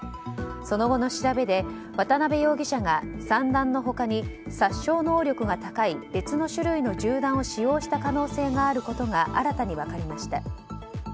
その後の調べで、渡辺容疑者が散弾の他に殺傷能力が高い別の種類の銃弾を使用した可能性があることが新たに分かりました。